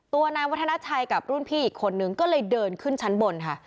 นายวัฒนาชัยกับรุ่นพี่อีกคนนึงก็เลยเดินขึ้นชั้นบนค่ะ